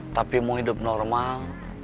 tapi mau hidup normal